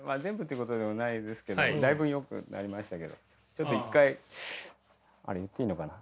ちょっと一回あれ言っていいのかな。